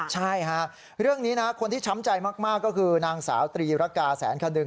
ใช่ฮะเรื่องนี้นะคนที่ช้ำใจมากก็คือนางสาวตรีรกาแสนขดึง